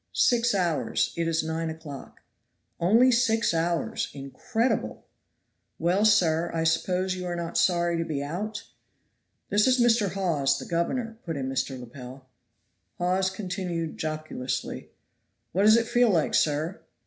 "Six hours; it is nine o'clock." "Only six hours! incredible!" "Well, sir, I suppose you are not sorry to be out?" "This is Mr. Hawes, the governor," put in Mr. Lepel. Hawes continued jocosely, "What does it feel like, sir?"